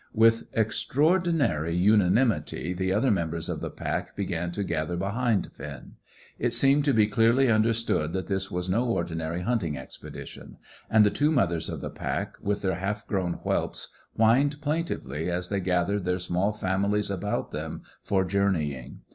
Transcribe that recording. With extraordinary unanimity the other members of the pack began to gather behind Finn. It seemed to be clearly understood that this was no ordinary hunting expedition, and the two mothers of the pack, with their half grown whelps, whined plaintively as they gathered their small families about them for journeying.